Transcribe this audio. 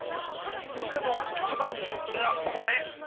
店の一番人気がこれ。